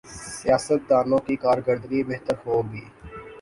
سیاستدانوں کی کارکردگی بہتر ہو گی۔